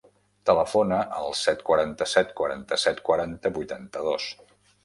Telefona al set, quaranta-set, quaranta-set, quaranta, vuitanta-dos.